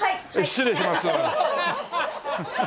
失礼します。